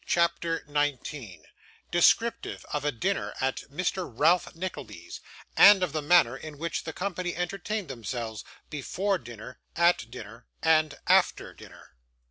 CHAPTER 19 Descriptive of a Dinner at Mr. Ralph Nickleby's, and of the Manner in which the Company entertained themselves, before Dinner, at Dinner, and after Dinner.